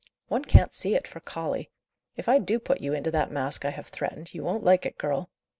"One can't see it for colly. If I do put you into that mask I have threatened, you won't like it, girl.